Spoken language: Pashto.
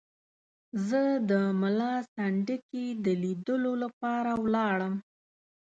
زه د ملا سنډکي د لیدلو لپاره ولاړم.